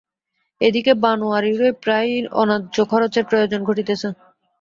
এ দিকে বনোয়ারিরই প্রায়ই অন্যায্য খরচের প্রয়োজন ঘটিতেছে।